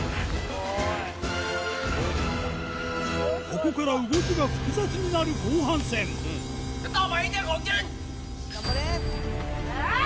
ここから動きが複雑になる後半戦うわぁ！